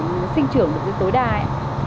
nó sinh trưởng được tối đa ấy